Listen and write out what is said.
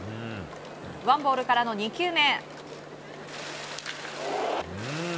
ワンボールからの２球目。